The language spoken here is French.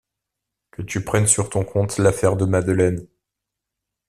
Que tu prennes sur ton compte l’affaire de Madeleine. ..